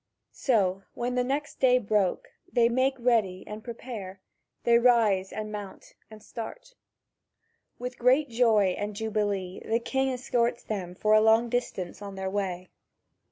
So, when the day broke, they make ready and prepare: they rise and mount and start. With great joy and jubilee the king escorts them for a long distance on their way.